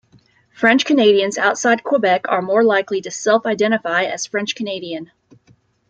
French Canadians outside Quebec are more likely to self-identify as "French Canadian".